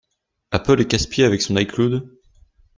Apple est casse pied avec son icloud?